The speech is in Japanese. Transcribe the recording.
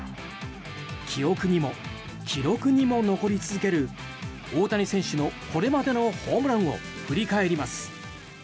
記憶にも記録にも残り続ける大谷選手のこれまでのホームランを振り返ります。